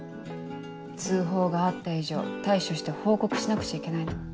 通報があった以上対処して報告しなくちゃいけないの。